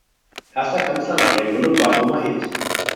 Erster Kanzler nach ihrer Gründung war Homer Hitt.